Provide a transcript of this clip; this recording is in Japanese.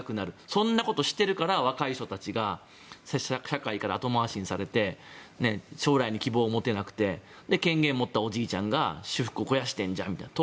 そんなことしてるから若い人たちが社会から後回しにされて将来に希望が持てなくて権限を持ったおじいちゃんが私腹を肥やしてるんじゃんみたいな。